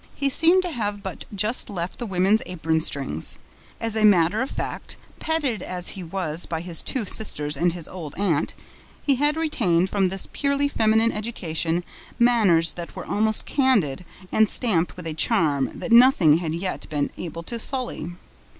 He seemed to have but just left the women's apron strings. As a matter of fact, petted as he was by his two sisters and his old aunt, he had retained from this purely feminine education manners that were almost candid and stamped with a charm that nothing had yet been able to sully.